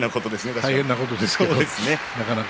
大変なことですけれどもなかなか。